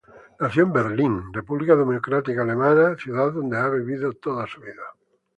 Nació en Berlín, República Democrática Alemana, ciudad donde ha vivido toda su vida.